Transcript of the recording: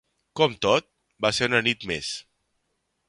Com tot, va ser una nit més.